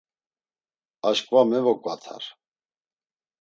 Aşǩva mevoǩvatar.